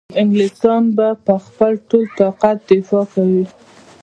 انګلیسیان به په خپل ټول طاقت دفاع کوي.